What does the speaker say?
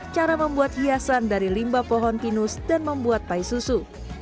cara membuat hiasan dari limba pohon pinus dan membuat pie susu